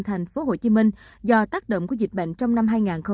tp hcm do tác động của dịch bệnh trong năm hai nghìn hai mươi một